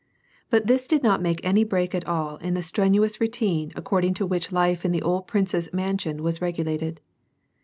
But this did not make any break at all in the strenuous routine according to which life in the old prince's mansion was regulated.